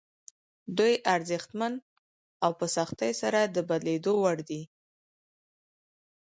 دوی ارزښتمن او په سختۍ سره د بدلېدو وړ دي.